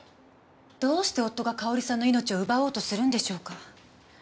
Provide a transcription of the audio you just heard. どうして夫が佳保里さんの命を奪おうとするんでしょうか？